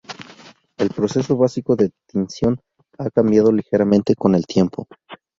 El proceso básico de tinción ha cambiado ligeramente con el tiempo.